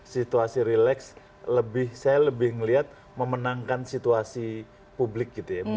situasi relax saya lebih melihat memenangkan situasi publik